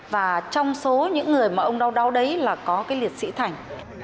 và trong số những người mà ông đau đáu đấy là có cái liệt sĩ thành